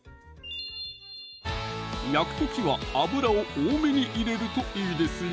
焼く時は油を多めに入れるといいですよ